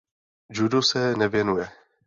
Judu se nevěnuje.